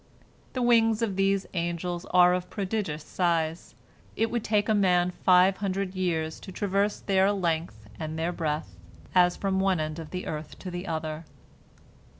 The wings of these angels are of prodigious size, it would take a man five hundred years to traverse their length and their breadth, as from one end of the earth to the other.